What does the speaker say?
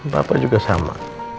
papa juga sama